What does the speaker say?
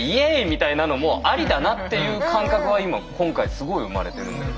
みたいなのもありだなっていう感覚は今今回すごい生まれてるんで。